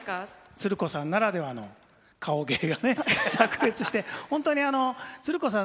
つる子さんならではの顔芸がねさく裂して本当につる子さん